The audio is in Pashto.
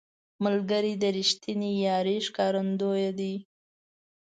ملګری د رښتینې یارۍ ښکارندوی دی